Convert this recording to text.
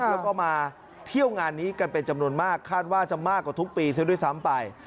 แล้วก็มาเที่ยวงานนี้กันเป็นจำนวนมากคาดว่าจะมากกว่าทุกปีซะด้วยซ้ำไป